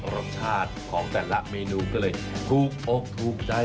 รสชาติของแต่ละเมนูก็เลยถูกอกถูกใจ